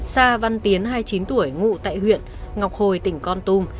sa văn tiến hai mươi chín tuổi ngụ tại huyện ngọc hồi tỉnh con tum